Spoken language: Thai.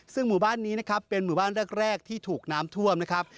ซึ่งหมู่บ้านนี้นะครับเป็นหมู่บ้านแรกที่ถูกน้ำท่วมนะครับ